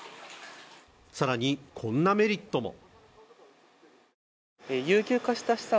更に、こんなメリットも。